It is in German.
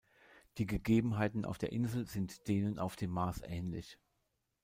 Die Gegebenheiten auf der Insel sind denen auf dem Mars ähnlich.